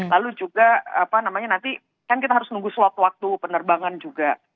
lalu juga apa namanya nanti kan kita harus nunggu slot waktu penerbangan juga